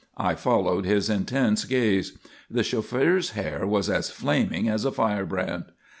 I followed his intense gaze. The chauffeur's hair was as flaming as a firebrand.